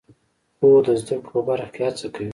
خور د زده کړو په برخه کې هڅه کوي.